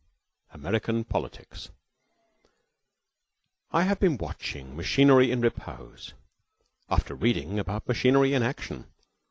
II. AMERICAN POLITICS I HAVE been watching machinery in repose after reading about machinery in action.